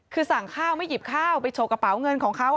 คือสั่งข้าวไม่หยิบข้าวไปโชว์กระเป๋าเงินของเขา